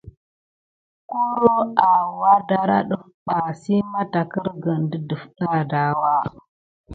Koro awa dara ɗəf ɓa si matarkirguni de defda adawa.